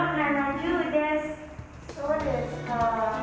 そうですか。